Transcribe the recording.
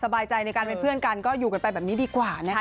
บายใจในการเป็นเพื่อนกันก็อยู่กันไปแบบนี้ดีกว่านะคะ